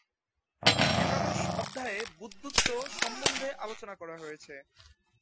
একাদশ অধ্যায়ে বুদ্ধত্ব সম্বন্ধে আলোচনা করা হয়েছে।